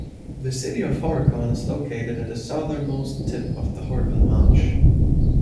The city of Horicon is located at the southernmost tip of the Horicon Marsh.